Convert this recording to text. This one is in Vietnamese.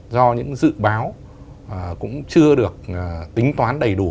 do những dự báo cũng chưa được tính toán đầy đủ